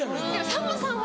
さんまさんは！